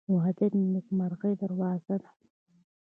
• واده د نیکمرغۍ دروازه ده.